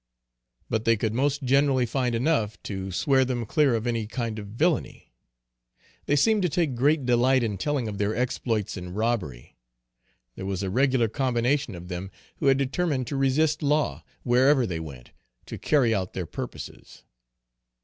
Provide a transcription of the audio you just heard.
But they could most generally find enough to swear them clear of any kind of villany. They seemed to take great delight in telling of their exploits in robbery. There was a regular combination of them who had determined to resist law, wherever they went, to carry out their purposes.